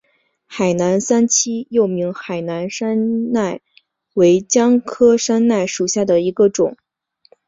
海南三七又名海南山柰为姜科山柰属下的一个种。